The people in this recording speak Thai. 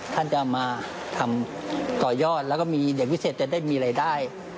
ท่านจะมาทำต่อยอดแล้วก็มีเด็กพิเศษจะได้มีรายได้